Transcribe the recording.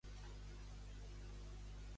Per quin altre tema va acusar Rivera a Iglesias?